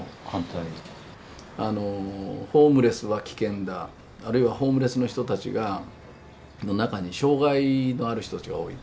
ホームレスは危険だあるいはホームレスの人たちの中に障害のある人たちが多い。